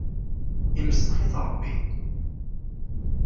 Imsex-it Ṛebbi.